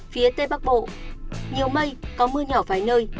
phía tây bắc bộ nhiều mây có mưa nhỏ vài nơi